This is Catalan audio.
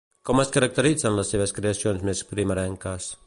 Com es caracteritzen les seves creacions més primerenques?